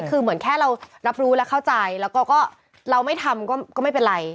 คือเหมือนแค่เรารับรู้และเข้าใจแล้วก็เราไม่ทำก็ไม่เป็นไร